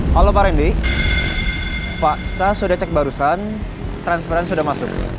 halo pak rendy pak saya sudah cek barusan transparan sudah masuk